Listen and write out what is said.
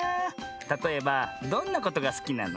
たとえばどんなことがすきなの？